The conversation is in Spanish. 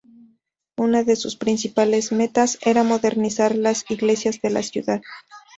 Una de sus principales metas era modernizar las iglesias de la ciudad.